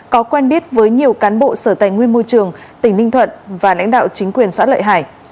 có quen biết với nhiều cán bộ sở tài nguyên môi trường tỉnh ninh thuận và lãnh đạo chính quyền xã lợi hải